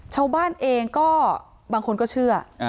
ชาวบ้านเองก็บางคนก็เชื่อ